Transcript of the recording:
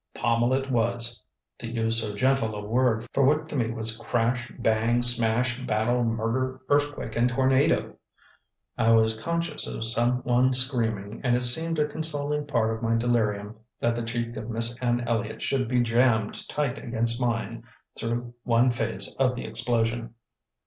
Pommel it was; to use so gentle a word for what to me was crash, bang, smash, battle, murder, earthquake and tornado. I was conscious of some one screaming, and it seemed a consoling part of my delirium that the cheek of Miss Anne Elliott should be jammed tight against mine through one phase of the explosion.